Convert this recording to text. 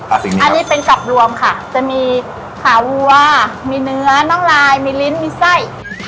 อันนี้เป็นกับรวมค่ะจะมีขาวัวมีเนื้อน้องลายมีลิ้นมีไส้